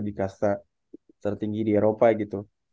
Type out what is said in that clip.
di kasta tertinggi di eropa gitu